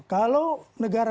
kalau negara masih berpengaruh